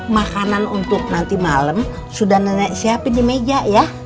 makanan untuk nanti malam sudah nenek siapin di meja ya